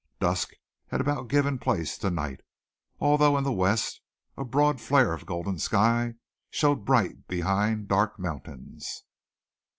Dusk had about given place to night, although in the west a broad flare of golden sky showed bright behind dark mountains.